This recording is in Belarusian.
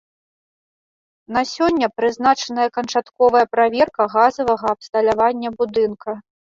На сёння прызначаная канчатковая праверка газавага абсталявання будынка.